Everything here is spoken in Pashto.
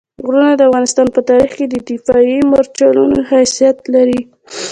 غرونه د افغانستان په تاریخ کې د دفاعي مورچلونو حیثیت لري.